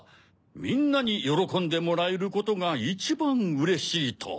みんなによろこんでもらえることがいちばんうれしいと。